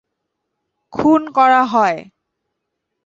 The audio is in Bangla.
খুন করা হয়।